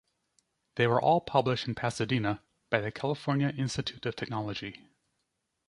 They were all published in Pasadena, by the California Institute of Technology.